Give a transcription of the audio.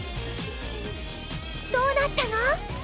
どうなったの？